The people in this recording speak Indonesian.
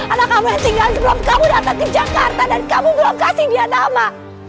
anak kamu yang tinggal sebelum kamu datang ke jakarta dan kamu ke lokasi dia nama